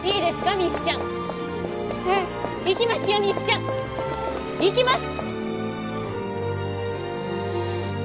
みゆきちゃんいきます！